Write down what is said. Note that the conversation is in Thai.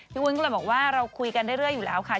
วุ้นก็เลยบอกว่าเราคุยกันเรื่อยอยู่แล้วค่ะ